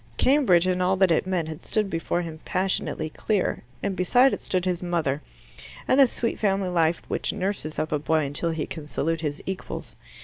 Cambridge and all that it meant had stood before him passionately clear, and beside it stood his mother and the sweet family life which nurses up a boy until he can salute his equals.